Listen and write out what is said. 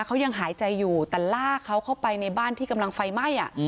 เขายังหายใจอยู่แต่ลากเขาเข้าไปในบ้านที่กำลังไฟไหม้